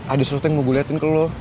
ada sesuatu yang mau gue liatin ke lo